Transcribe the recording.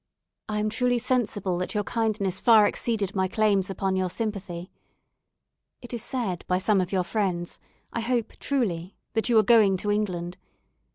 "I am truly sensible that your kindness far exceeded my claims upon your sympathy. It is said by some of your friends, I hope truly, that you are going to England.